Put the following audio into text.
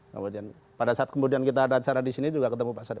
kemudian pada saat kemudian kita ada acara disini juga ketemu pak sarif